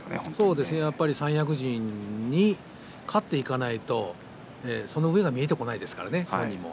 そうですね三役陣に勝っていかないとその上が見えてこないですからね本人も。